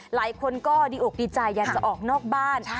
หลายคนก็ดีอกดีใจอยากจะออกนอกบ้าน